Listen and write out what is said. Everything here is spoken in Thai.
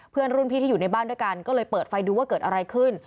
เพื่อนรุ่นพี่ที่อยู่ในบ้านด้วยกันก็เลยเปิดไฟดูว่าเกิดอะไรขึ้น